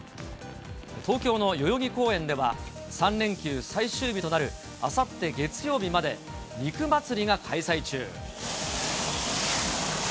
東京の代々木公園では、３連休最終日となるあさって月曜日まで、肉祭が開催中。